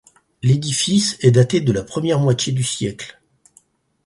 L'édifice est daté de la première moitié du siècle.